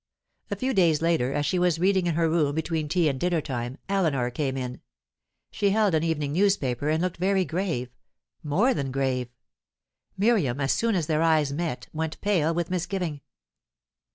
A few days later, as she was reading in her room between tea and dinner time, Eleanor came in; she held an evening newspaper, and looked very grave more than grave. Miriam, as soon as their eyes met, went pale with misgiving.